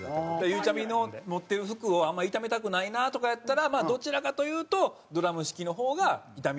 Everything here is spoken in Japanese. ゆうちゃみの持ってる服をあんまり傷めたくないなとかやったらどちらかというとドラム式の方が傷みにくいみたいな。